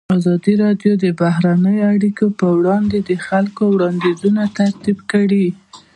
ازادي راډیو د بهرنۍ اړیکې په اړه د خلکو وړاندیزونه ترتیب کړي.